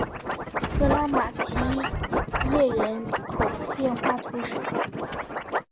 格拉马齐耶人口变化图示